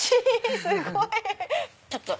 すごい！